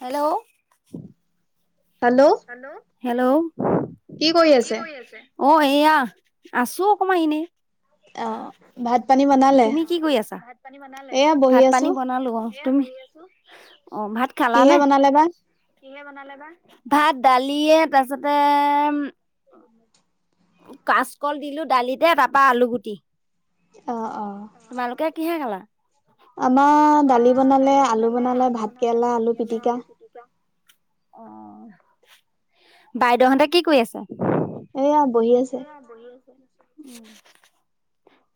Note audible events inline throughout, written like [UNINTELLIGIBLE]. Hello! Hello? Hello. Hello. কি কৰি আছে? অ' এয়া আছো, অকণমান এনে। তুমি কি কৰি আছা? ভাত পানী বনালো অ'। তুমি, অ' ভাত খালা নে? ভাত দালিয়ে তাৰপিছতে উম কাচকল দিলো দালিতে তাৰপা আলু গুটি, তোমালোকে? কিহে খালা। আমাৰ দালি বনালে, আলু বনালে, ভাত কেৰেলা আলু পিটিকা। অ', অ', অ'। বাইদেউহঁতে কি কৰি আছে। এয়া বহি আছে।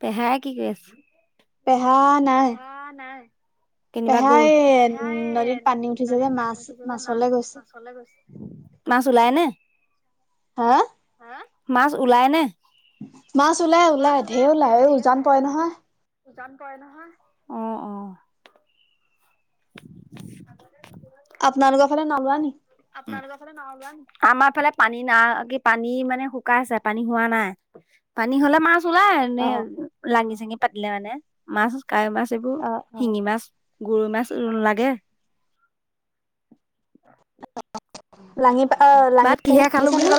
পেহাই কি কৰি আছে। পেহা নাই। অ' নাই। পেহাই নদীত পানী উঠিছে যে, মাছ-মাছলে গৈছে। মাছ ওলাই নে? হা। মাছ ওলাই নে? মাছ ওলাই, ওলাই ঢেৰ ওলাই। এই উজান পৰে নহয়। উজান পৰে নহয়। আগতে [INAUDIBLE] আপোনালোকৰ ফালে নোলোৱা নেকি। আপোনালোকৰ ফালে ন আমাৰ ফালে পানী নাই, কি পানী মানে শুকাই আছে পানী হোৱা নাই। পানী হ'লে মাছ ওলাই। মানে লাঙি-চাঙি পাতিলে মানে মাছ, কাৱৈ মাছ, এইবোৰ শিঙি মাছ গৰৈ মাছ আহ লাগে। লাঙি বা লাঙি-চাঙি পাতিছা নে?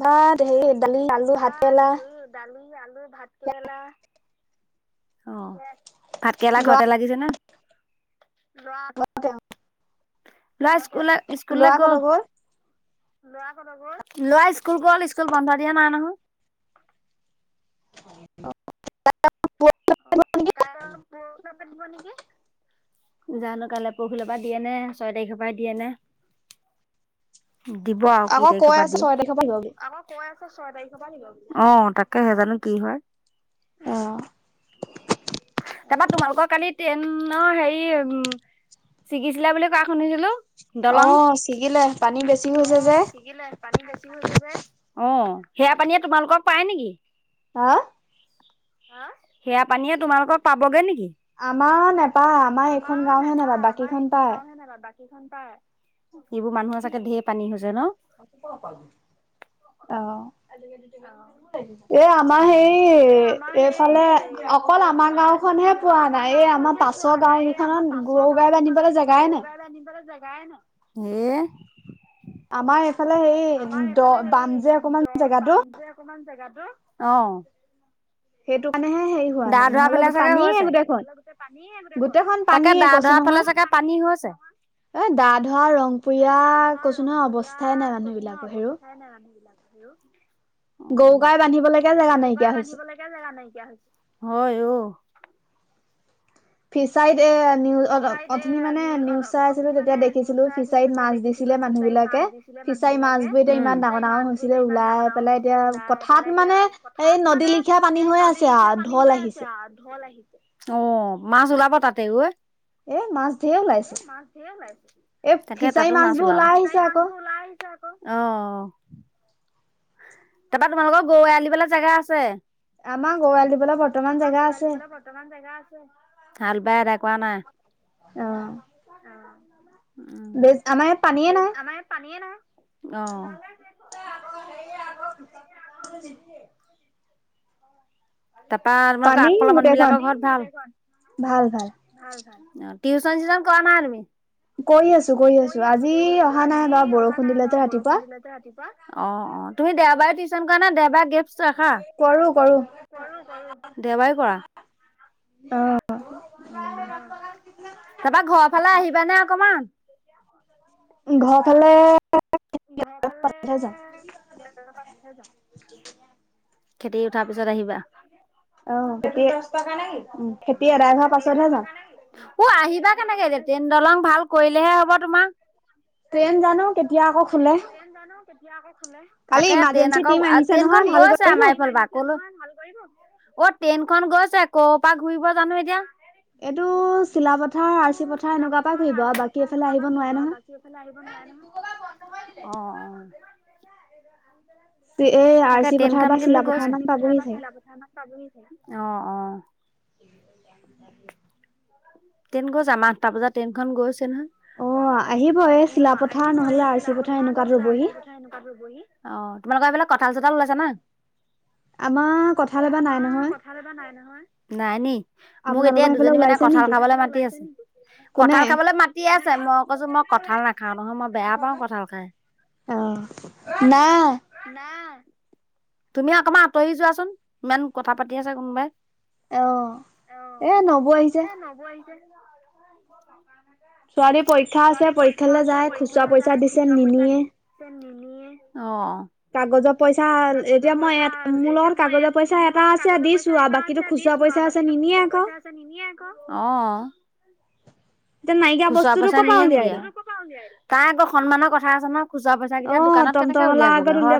ভাত হেৰি দালি, আলু ভাতকেৰেলা। দালি, আলু, ভাত-কেৰেলা। অ' ভাত-কেৰেলা ঘৰতে লাগিছে নে? ঘৰতে অহ'। ল'ৰা স্কুললৈ, স্কুললৈ গ'ল। ল'ৰা স্কুল গ'ল, স্কুল বন্ধ দিয়া নাই নহয়। অহ। অ' কাৰণ পৰহিৰ পৰা দিব নেকি। জানো কাইলৈ পৰহিৰ পৰা দিয়ে নে, ছয় তাৰিখৰ পৰা দিয়ে নে। দিব আৰু কেই তাৰিখৰ পৰা দিয়ে। অহ, তাকেহে জানো কি হয়। তাৰপৰা তোমালোকৰ কালি ট্ৰেইনৰ হেৰি, উম ছিগিছিলে বুলি কোৱা শুনিছিলোঁ। অ', ছিগিলে পানী বেছ অ', ছিগিলে পানী বেছি হৈছে যে অ', সেয়া পানীয়ে তোমালোকক পাই নিকি? হা হা সেয়া পানীয়ে তোমালোকক পাবগে নিকি? আমা নেপায় আমা এইখন গাঁওহে নেপায় বাকীখন পায়। সিখন পায় সিবো মানুহ আছেক [UNINTELLIGIBLE] ঢে পানী হৈছে ন? [UNINTELLIGIBLE] অ', [UNINTELLIGIBLE] এয়া আমা হেই এ, এইফালে অকল আমা গাওঁখনহে পোৱা নাই এই আমা পাছ গাঁও গিক [UNINTELLIGIBLE] আমা পাছ গাঁও গিখনত গৰু গাই বান্ধিবলে জেগাই নাই। হে আমা এইফালে হেই দ বাম যে অকমান জেগাটো অকমান জেগাটো অ'। সেটো কাণেহে হেই হোৱা নাই নহ'লে গোট পানীয়ে গোটেখন। পানীয়ে গোটে খন তাকে দা ধআ ফালে চাগে পানী হৈছে। এ, দাধআ ৰংপুৰীয়া কছোঁ নহয় অৱস্থাই নাই মানুহ বিলাকৰ হেৰৌ। পাই নাই মানুহ বিলাকৰ হেৰৌ। গৰু গাই বান্ধিবলৈকে জেগা নাইকিয়া হৈছে [UNINTELLIGIBLE] জেগা নাইকিয়া হৈছ, হয় অ'। ফিচায়িত এ, নিউ অথ অথনি মানে নিউচ চাই আছিলোঁ তেতিয়া দেখিছিলোঁ ফিচায়িত মাছ দিছ ছিলে মানুহ বিলাকে ফিচায়ি মাছবো এতিয়া ইমান ডাঙ' ডাঙ' হৈছিলে ওলাই পেলাই এতিয়া কথাত মানে পথাত মানে এই নদী লিখিয়া পানী হৈ আছে আও ঢল আহিছে। অ', মাছ ওলাব তাতে ঐ। এ, মাছ ধে ওলাইছে তাকে তাতো মাছ ওলাব ফিচায়ি মাছবো ওলাই আহিছে আকৌ। অ', অ'। তা পা তোমালোক গও এআল দিবলে জেগা আছে? আমা গও এআল দিবলে বৰ্তমান জেগা আছে। বৰ্তমান জেগা আছে, হাল বাই এডাই কআ নাই। [UNINTELLIGIBLE] উম, [UNINTELLIGIBLE] আমা ইয়াত পানীয়ে নাই অ', [UNINTELLIGIBLE] এ, আকৌ হেই আকৌ খুচুআ পইচা হ'লে নিদিয়ে তাপা তোমালোক' আগফাল' মানুহ বিলাক' ঘৰত ভাল? [UNINTELLIGIBLE] ভাল ভাল। অ', টিউচন চিউচন কআ নাই তুমি? কয়ি আছোঁ কয়ি আছোঁ আজি অহা নাই বাও বৰষুণ দিলে যে ৰাতিপুৱা। [UNINTELLIGIBLE] ৰাতিপুৱা অ', অ', তুমি দেওবাএ টিউচন কআ নে দেওবাএ গেপছ্ ৰাখা? কৰোঁ কৰোঁ। কৰোঁ কৰোঁ। দেউবায়ো কৰা। অ'। উম, অ', তা পা ঘ' ফালে আহিবানে অকমান? ঘ' ফালে ঘ' ফালে [UNINTELLIGIBLE] খেতি উঠাৰ পিছত আহিবা। অ', খেতি এটো দচ টকা নে কি? উম, খেতি এদাই হোৱা পাছতহে যাওঁ। ও, আহিবা কেনেকে এতিয়া ট্ৰেইন দলং ভাল কৰিলেহে হ'ব তোমা। ট্ৰেইন জানোঁ কেতিয়া আকৌ খোলে তাকে ট্ৰেইন আকৌ আ, ট্ৰেইনখন গৈছ গৈছে আমাৰ এইফালৰ পৰা কলে, অ ট্ৰেইনখন গৈছে কৰ পৰা ঘূৰিব জানো এতিয়া। এইটো চিলাপথাৰ আৰ চি পথাৰ এনেকুৱা পৰা ঘূৰিব আৰু বাকী এইফালে আহিব নোৱাৰে নহয়। এইফালে আহিব নোৱাৰে নহয়। অ অ। তাকে ট্ৰেইন খন কিন্তু গৈছে। আৰ চি পথাৰ পৰা চিলাপথাৰলৈ পাবহি চাগে। অ অ। ট্ৰেইন গৈছে আমাৰ আঠটা বজাত ট্ৰেইনখন গৈছে নহয়। অঁ আহিব এই চিলাপথাৰ নহলে আৰ চি পথাৰ এনেকুৱাত ৰবহি। অ তোমালোক সেইফালে কঁঠাল চঠাল ওলাইছা নাই? আমাৰ কঁঠাল এবাৰ নাই। আমাৰ কঁঠাল এইবাৰ নাই নহয়। নাই নি মোক এতিয়া দুজনী মানে কঁঠাল খাবলৈ মাতি আছে। কঁঠাল খাবলৈ মাতি আছে মই কৈছো মই কঁঠাল নাখাওঁ নহয় মই বেয়া পাওঁ কঁঠাল খাই। অঁ নাই। নাই। তুমি অকণমান আঁতৰি যোৱাচোন ইমান কথা পাতি আছে কোনোবাই। অ এ নবৌ আহিছে। এ নবৌ আহিছে। [INAUDIBLE] ছোৱালী পৰীক্ষা আছে পৰীক্ষালৈ যায় খুচুৰা পইচা দিছে নিনিয়ে। অ। কাগজৰ পইচা এতিয়া মই মোৰ লগত কাগজৰ পইচা এটা আছে দি চোৱা বাকীতো খুচুৰা পইচা আছে নিনিয়ে আক'। নিনিয়ে আক'। অ। খুচুৰা পইচা নিয়ে নেকি, তাই আকৌ সন্মানৰ কথা আছে ন। খুচুৰা পইচা কেইটা দোকানত কেনেকে উলিয়াবগৈ হয়।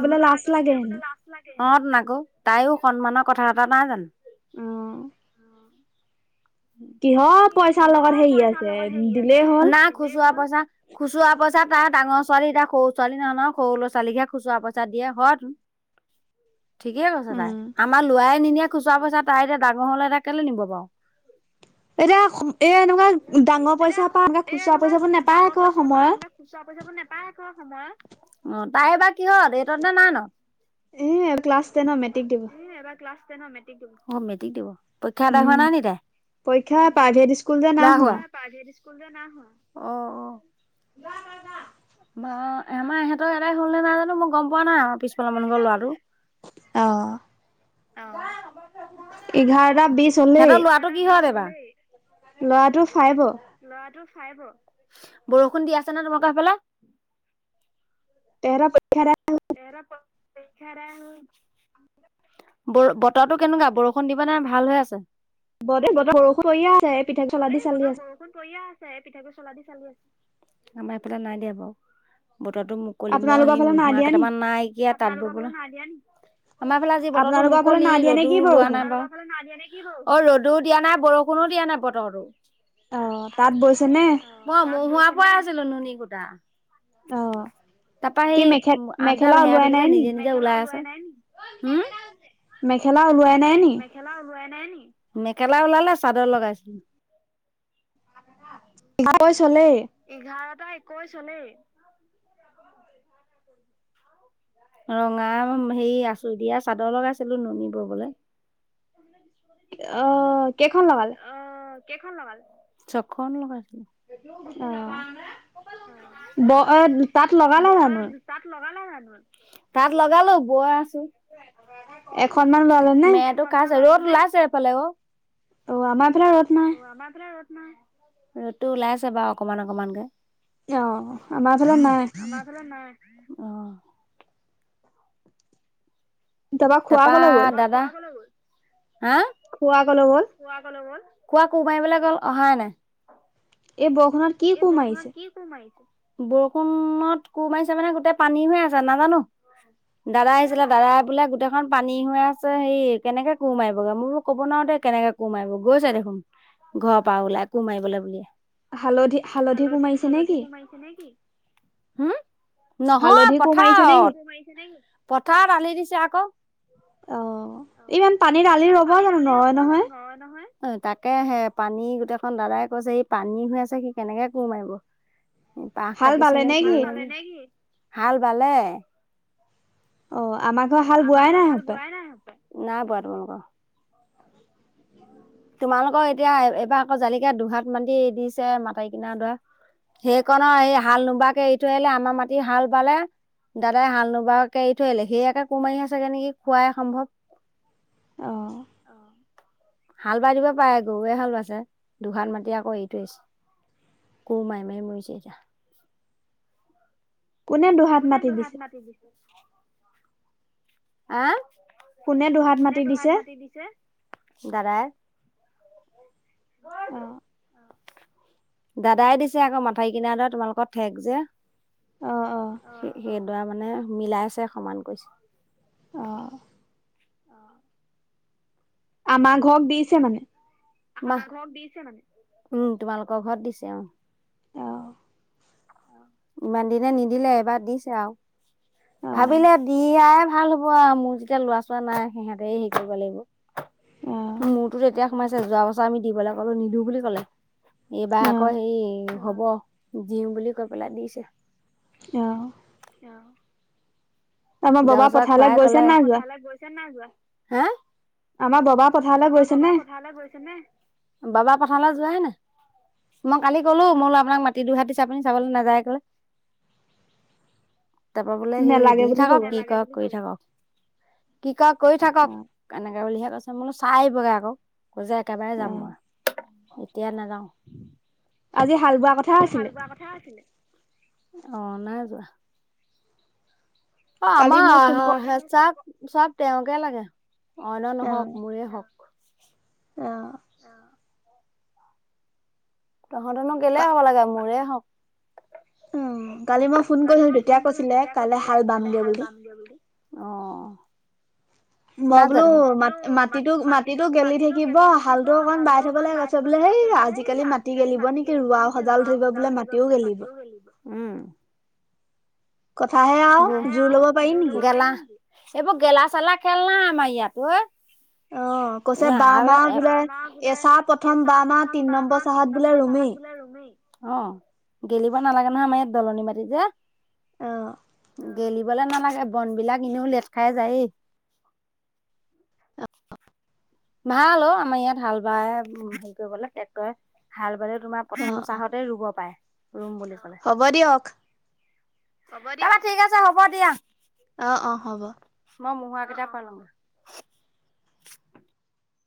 অতোনআক' তাইও সন্মানৰ কথা এটা নাই জানো। উম। কিহৰ পইচাৰ লগত হেৰি আছে। না খুচুৰা পইচা খুচুৰা পইচা তাই ডাঙৰ ছোৱালীতিটা সৰু ছোৱালী নহয় নহয় সৰু ল'ৰা ছোৱালীকহে খুচুৰা পইচা দিয়ে হয় [INAUDIBLE] ঠিকে কৈছে তাই আমাৰ লৰা নিনিয়ে খুচুৰা পইচা তাই এতিয়া ডাঙৰ হলে এটা কেলে নিব বাৰু। এতিয়া এ এনেকুৱা ডাঙৰ পইচা পা এনেকে খুচুৰা পইচাবোৰ নাপায় আক' সময়ত। খুচুৰা পইচাবোৰ নাপায় আক সময়ত। তাই এইবাৰ কিহত এইটত নে নাইনত? এ ক্লাছ টেনত মেট্ৰিক দিব। এ এইবাৰ ক্লাছ টেনত মেট্ৰিক দিব। অ মেট্ৰিক দিব, পৰীক্ষা আদাই হোৱা নাই নি তাইৰ? পৰীক্ষা প্ৰাইভেট স্কুল যে নাইহোৱা। প্ৰাইভেট স্কুল যে নাইহোৱা। অ অ। আমা আমাৰ ইহঁতৰ এদাই হ'ল নে নাই জানো মই গম পোৱা নাই আৰু পিছফালৰ মানুহ ঘৰৰ লৰাটো। অ, এঘাৰটা বিশ সিহঁতৰ লৰাটো কিহত এইবাৰ? ল'ৰাটো ফাইভৰ। লৰাটো ফাইভৰ। বৰষুণ দি আছে নে তোমালোকৰ সেইফালে? তেহেঁতৰ প ৰীক্ষা এদাই হ'ল। তেহেঁতৰ পৰীক্ষা এদাই হ'ল। ব বতৰটো কেনেকুৱা বৰষুণ দিব নে ভাল হৈ আছে? ব দেই বতৰ বৰষুণ পৰিয়া আছে। ব দেই বতৰ বৰষুণ পৰিয়া আছে, এই পিঠাগুৰি চলা দি চালি আছে, আমাৰ এইফালে নাই দিয়া বাৰু। বতৰটো মুকলি মই সেই নোহোৱা কেইটামান নাইকিয়া তাতবোৰ বোলো আমাৰ ফালে আজি বতৰো মুকলি, ৰ'দো ওলোৱা নাই বাৰু। অ ৰদো দিয়া নাই, বৰষুণো দিয়া নাই বতৰটো। অ, তাত বৈছে নে? মই মহুৱাৰ পৰাই আছিলো নুনী কোটা। তাৰপা সেই উম আঠডাল হেৰাই থাকিলে নিজে - নিজে ওলাই আছে। হুম? মেখেলা ওলোৱাই নাই নি মেখেলা ওলালে চাদৰ লগাইছো। [UNINTELLIGIBLE] চলে এঘাৰটা একৈশ হলেই। ৰঙা অম হেৰি আছোঁ দিয়া, চাদৰ লগাইছিলো নুনী গবলে। অ, কেইখন লগালে? ছখন লগাইছো। অ, ব অ তাত লগালে জানো? তাত লগালো বই আছো। এখনমান ললে নে? [UNINTELLIGIBLE] ওলাইছে এইফালে অ। অ আমাৰফালে ৰদ নাই। ৰ'দটো ওলাই আছে বাৰু অকমান অকমানকে। অ, আমাৰ ফালে নাই। অ। তাৰপৰা দাদা? হা! খুৰা কলৈ গল? খুৰা কোৰ মাৰিবলৈ গ'ল অহাই নাই। এই বৰষুনত বৰষুণত কোৰ মাৰিছে মানে গোটেই পানী হৈ আছে নাজানো? দাদা আহিছিলে, দাদা বোলে গোটেইখন পানী হৈ আছে সেই কেনেকে কোৰ মাৰিবগৈ মোৰ ক'ব নোৱাৰো দে কেনেকে কোৰ মাৰিব? গৈছে দেখোন ঘৰৰ পৰা ওলাই কোৰ মাৰিবলৈ বুলিয়ে। হালধি- হালধি কোৰ মাৰিছে নে কি? পাইছে নেকি? হুম? নহয় পথাৰত, পথাৰত আলি দিছে আকৌ। অ, ইমান পানীৰ আালি ৰব জানো নৰয় নহয়? অ তাকে আহে পানী গোটেইখন দাদাই কৈছে ই পানী হৈ আছে সি কেনেকে কোৰ মাৰিব? বাহ কাটিছে নেকি? হাল বালে। অ আমাৰ ঘৰ হাল বোৱাই নাই [UNINTELLIGIBLE] নাই বোৱা তোমালোকৰ? তোমালোকৰ এতিয়া এ এবাৰ আকৌ জালিকা দুহাত মাটি দিছে মাটাৰ কিনাৰ দৰা। সেইকণৰ এই হাল নোবোৱাকে এৰি থৈ আহিলে আমাৰ মাটি হাল বালে দাদাই হাল নোবোৱাকে এৰি থৈ আহিলে সেয়াকে কোৰ মাৰি আছেগে নেকি কোৱাই সম্ভৱ? হাল বাই দিব পাৰে গৰুৱে হাল বাইছে, দুহাল মাটি আকৌ এৰি থৈ আহিছে। কোৰ মাৰি মাৰি মৰিছে এতিয়া। কোনে দুহাত মাটি দিছে? আহ? কোনে দুহাত মাতি দিছে? [UNINTELLIGIBLE] দিছে? দাদাই দাদাই দিছে আকৌ [UNINTELLIGIBLE] কিনাৰ [UNINTELLIGIBLE] তোমালোকৰ ঠেক যে। অ', সেই-সেইডৰা মানে মিলাই আছে, সমান কৰিছে। অ'। আমাৰ ঘৰক দিছে মানে। আমাৰ ঘৰক দিছে মানে? উম, তোমালোকৰ ঘৰত দিছে, অ'। ইমান দিনে নিদিলে, এইবাৰ দিছে আৰু। ভাবিলে দিয়াই ভাল হ'ব আৰু মোৰ যেতিয়া ল'ৰা-ছৰা নাই, সিহঁতে হেৰি কৰিব লাগিব। মোৰতো তেতিয়া সোমাইছে, যোৱা বছৰ আমি দিবলৈ ক'লো নিদিও বুলি ক'লে। এইবাৰ আকৌ হেৰি হ'ব, দিওঁ বুলি কৈ পেলাই দিছে। অ'। [UNINTELLIGIBLE] যোৱা বছৰ খুৱাই ক'লে, [UNINTELLIGIBLE] হে? আমাৰ ববা পথাৰলৈ গৈছেনে? পথাৰলৈ গৈছেনে? বাবা পথাৰলৈ যোৱাই নাই, মই কালি ক'লো মোৰ আপোনাক মাটি দিও [UNINTELLIGIBLE] পিনি চাবলৈ নাযায় ক'লে। তাৰপৰা বোলে সেই, দি থাকক কি কৰক কৰি থাকক। কি কৰক কৰি থাকক, এনেকে বুলিহে কৈছে মই বোলো চাই আহিবগে আকৌ। কৈছে একেবাৰে যাম মই, এতিয়া নাযাওঁ। আজি হাল বোৱা আজি হাল বোৱাৰ কথা আছিলে, অহ নাই যোৱা। অ', আমাৰ আহ [UNINTELLIGIBLE] তেওঁকে লাগে, অইন নহওঁক মোৰে হওঁক। অ'। তহঁতৰনো কেলে হ'ব লাগে, মোৰে হওঁক। কালি মই ফোন কৰিছিলোঁ, তেতিয়া কৈছিলে কাইলৈ হাল বামগে বুলি। [UNINTELLIGIBLE] অ'। মই বোলো মাটি-মাটিতো মাটিতো গেলি থাকিব, হালতো অকমান বাই থাকিব লা [UNINTELLIGIBLE] কৈছে বোলে সেই আজিকালি মাটি গেলিব নেকি, ৰোৱা সজাল [UNINTELLIGIBLE] বোলে মাটিও গেলিব। উম। কথাহে গেলা, এইবোৰ গেলা-চেলা খেল নাই আমাৰ ইয়াতো [UNINTELLIGIBLE] [INAUDIBLE] না হাল [UNINTELLIGIBLE] বোলে এ চাহ প্ৰথম বা মাহ তিন নম্বৰ চাহত বোলে ৰুমেই। অ', গেলিব নালাগে নহয়, আমাৰ ইয়াত দলনি মাটি যে। অ'। গেলিবলৈ নালাগে, বন বিলাক এনেও লেট খাই যায়েই। ভাল অ', আমাৰ ইয়াত হাল বাই হেৰি কৰিবলে, ট্ৰেক্টৰে হাল বালে তোমাৰ প্ৰথম চাহতেই ৰুব পাৰে, ৰুম বুলি। হ'ব দিয়ক। হ'ব দিয়া, [UNINTELLIGIBLE] ঠিক আছে হ'ব দিয়া। অ', অ', হ'ব। মই [UNINTELLIGIBLE] কেই পালোঁ।